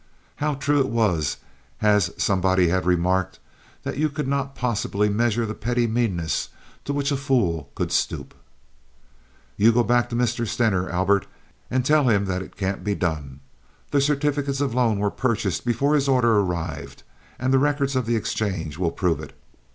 How true it was, as somebody had remarked, that you could not possibly measure the petty meannesses to which a fool could stoop! "You go back to Mr. Stener, Albert, and tell him that it can't be done. The certificates of loan were purchased before his order arrived, and the records of the exchange will prove it.